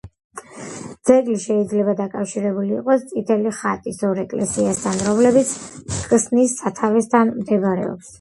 ძეგლი შეიძლება დაკავშირებული იყოს „წითელი ხატის“ ორ ეკლესიასთან, რომლებიც ქსნის სათავესთან მდებარეობს.